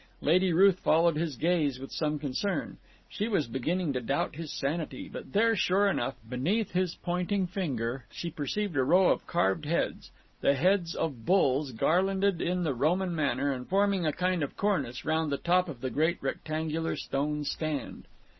Lady Ruth followed his gaze with some concern. She was beginning to doubt his sanity. But there, sure enough, beneath his pointing finger, she perceived a row of carved heads: the heads of bulls, garlanded in the Roman manner, and forming a kind of cornice round the top of the great rectangular stone stand.